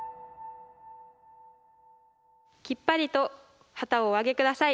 きっぱりと旗をお上げ下さい。